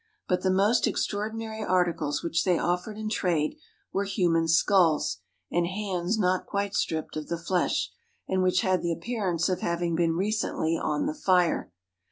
But the most extraordinary articles which they offered in trade were human skulls, and hands not quite stripped of the flesh, and which had the appearance of having been recently on the fire.